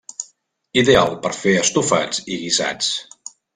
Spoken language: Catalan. Ideal per fer estofats i guisats.